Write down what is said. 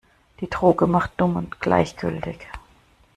Die Droge macht dumm und gleichgültig.